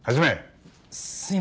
すいません。